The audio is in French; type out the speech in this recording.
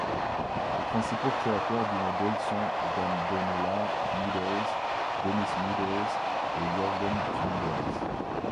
Les principaux créateurs du modèle sont Donella Meadows, Dennis Meadows et Jørgen Randers.